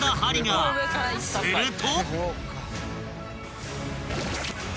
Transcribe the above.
［すると］